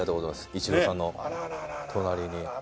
イチローさんの隣に。